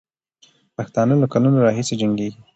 پښتانه له کلونو راهیسې جنګېږي.